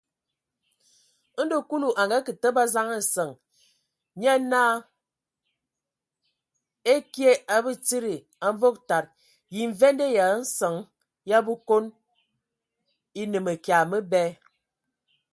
Ndo Kulu a akǝ təbǝ a zaŋ nsəŋ, nye naa: Ekye A Batsidi, a Mvog tad, yə mvende Ya zen ya a Bekon e no mǝkya məbɛ?